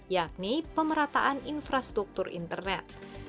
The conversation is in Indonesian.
yakni pemerataan infrastruktur internet